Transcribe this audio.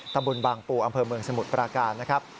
ตำบลบางปูอำเภอเมืองสมุทรปราการนะครับ